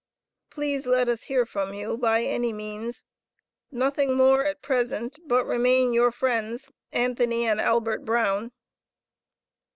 Pleas let us hear from you by any means. Nothing more at present, but remane youre frends, ANTHONY & ALBERT BROWN.